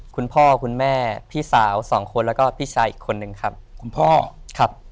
คุณพ่อคุณแม่พี่สาวสองคนและก็พี่ชายอีกคนนึงครับ